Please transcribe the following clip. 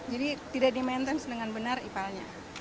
jadi tidak di maintenance dengan benar ipalnya